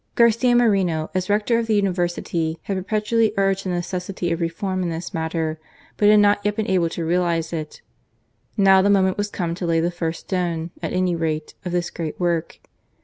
Garcia Moreno, as Rector of the University, had perpetually urged the necessity of reform in this matter ; but had not yet been able to realize it. Now the moment was come to lay the first stone, at any rate, of this great work.